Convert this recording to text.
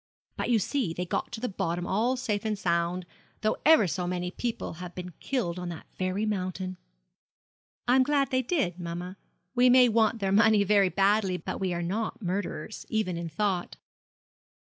But you see they got to the bottom all safe and sound, though ever so many people have been killed on that very mountain.' 'I'm glad they did, mamma. We may want their money very badly, but we are not murderers, even in thought.'